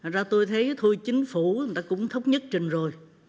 rồi tôi thấy thôi chính phủ cũng thống nhất trình rồi